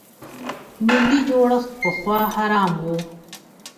ملي جوړښت پخوا حرام و.